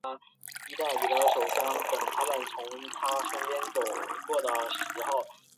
后来刁吉罕反叛后黎朝。